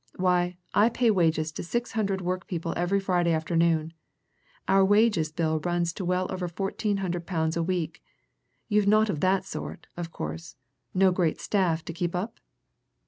Why, I pay wages to six hundred workpeople every Friday afternoon! Our wages bill runs to well over fourteen hundred pound a week. You've naught of that sort, of course no great staff to keep up?"